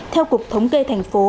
theo cục thống kê thành phố